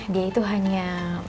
dia itu hanya